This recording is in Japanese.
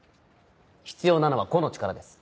必要なのは個の力です。